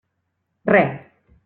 Re.